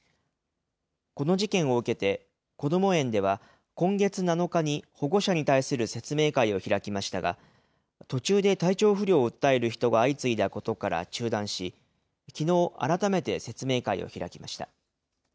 この事件を受けて、こども園では今月７日に、保護者に対する説明会を開きましたが、途中で体調不良を訴える人が相次いだことから中断し、きのう、改めて説明会を開きました。